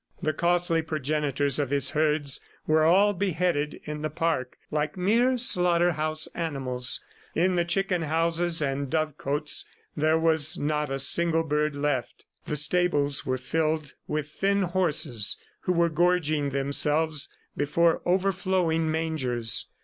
The costly progenitors of his herds were all beheaded in the park like mere slaughter house animals. In the chicken houses and dovecotes, there was not a single bird left. The stables were filled with thin horses who were gorging themselves before overflowing mangers.